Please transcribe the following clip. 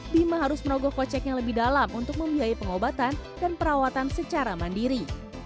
bima harus merogoh koceknya lebih dalam untuk membiayai pengobatan dan perawatan secara mandiri